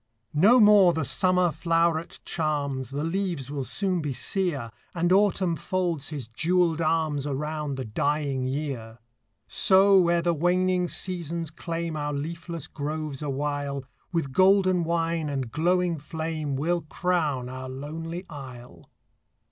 No more the summer floweret charms, The leaves will soon be sere, And Autumn folds his jewelled arms Around the dying year; So, ere the waning seasons claim Our leafless groves awhile, With golden wine and glowing flame We 'll crown our lonely isle.